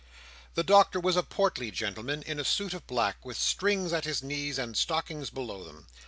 The Doctor was a portly gentleman in a suit of black, with strings at his knees, and stockings below them.